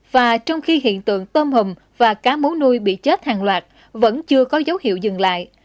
và trong khi hiện tượng tôm hùm và cá mú nuôi bị chết hàng loạt vẫn chưa có dấu hiệu dừng lại